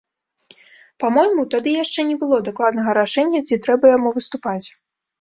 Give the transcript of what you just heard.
Па-мойму, тады яшчэ не было дакладнага рашэння, ці трэба яму выступаць.